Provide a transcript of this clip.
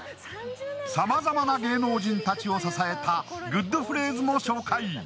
さまざまな芸能人たちを支えたグッドフレーズも紹介。